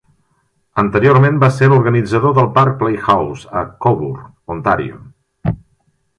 Anteriorment va ser l'organitzador del parc Playhouse a Cobourg, Ontario.